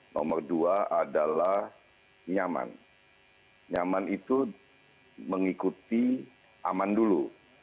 yang kedua adalah nyaman nyaman itu mengikuti aman dulu